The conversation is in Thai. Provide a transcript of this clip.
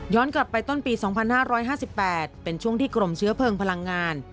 กลับไปต้นปี๒๕๕๘เป็นช่วงที่กรมเชื้อเพลิงพลังงาน